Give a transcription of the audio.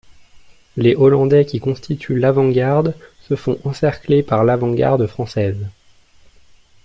Les Hollandais, qui constituent l'avant-garde, se font encercler par l'avant-garde française.